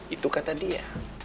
itu kata dia